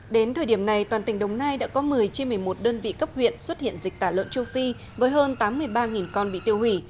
đến thời điểm này toàn tỉnh đồng nai đã có một mươi trên một mươi một đơn vị cấp huyện xuất hiện dịch tả lợn châu phi với hơn tám mươi ba con bị tiêu hủy